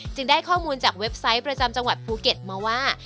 ได้ข้อมูลจากเว็บไซต์ประจำจังหวัดภูเก็ตมาว่า